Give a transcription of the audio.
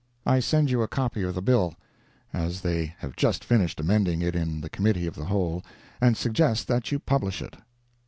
I send you a copy of the bill, as they have just finished amending it in the Committee of the Whole, and suggest that you publish it.